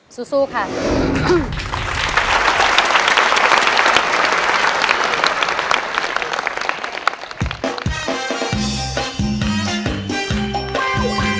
สู้ค่ะ